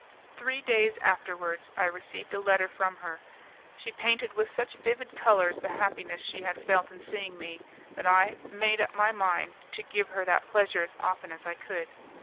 Three days afterwards I received a letter from her. She painted with such vivid colours the happiness she had felt in seeing me, that I made up my mind to give her that pleasure as often as I could.